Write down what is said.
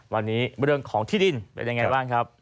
วันนี้เรื่องของที่ดินเป็นยังไงบ้างครับ